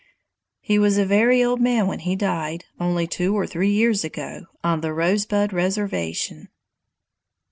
He was a very old man when he died, only two or three years ago, on the Rosebud reservation.